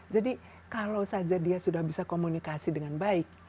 jadi kalau saja dia sudah bisa komunikasi dengan baik